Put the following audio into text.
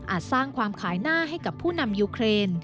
สร้างความขายหน้าให้กับผู้นำยูเครน